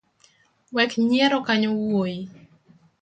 Wek nyiero kanyo wuoi.